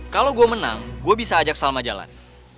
kalau gue menang gue bisa ajak salma jalan